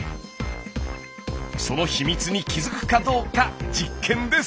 その秘密に気づくかどうか実験です！